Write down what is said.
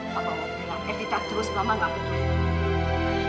papa mau bilang evita terus mama gak peduli